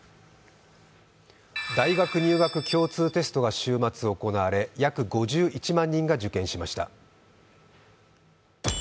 大学入学共通テストが週末行われ、約５１万人が受験しました。